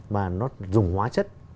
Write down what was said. và nó dùng hóa chất